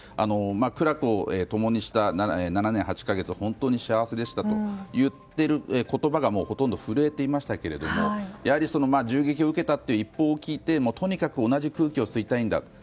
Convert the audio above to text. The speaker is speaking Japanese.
苦楽を共にした７年８か月、本当に幸せでしたと言っている言葉がほとんど震えていましたが銃撃を受けたという一報を聞いて、とにかく同じ空気を吸いたいんだと。